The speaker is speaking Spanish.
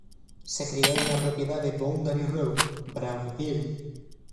Se crio en una propiedad en Boundary Road, Brown Hill.